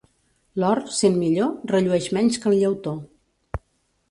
L'or, sent millor, rellueix menys que el llautó.